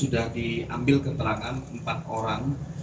sudah diambil keterangan empat orang